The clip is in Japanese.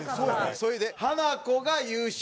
それでハナコが優勝。